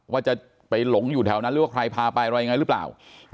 ว่าจะไปหลงอยู่แถวนั้นหรือว่าใครพาไปอะไรยังไงหรือเปล่า